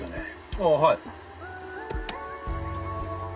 「ああはい」。